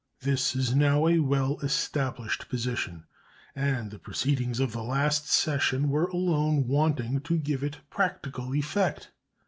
This is now a well established position, and the proceedings of the last session were alone wanting to give it practical effect.